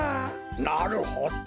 なるほど。